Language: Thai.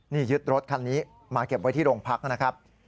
นี่ยึดรถคันนี้มาเก็บไว้ที่โรงพักนะครับ